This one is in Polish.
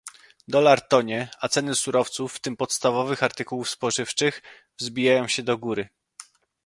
Dolar tonie, a ceny surowców, w tym podstawowych artykułów spożywczych, wzbijają się do góry